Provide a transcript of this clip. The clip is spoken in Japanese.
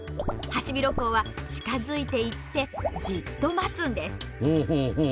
ハシビロコウは近づいていってじっと待つんです。